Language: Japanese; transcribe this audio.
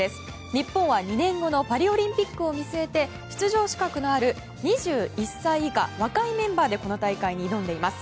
日本は、２年後のパリオリンピックを見据えて出場資格のある２１歳以下若いメンバーでこの大会に挑んでいます。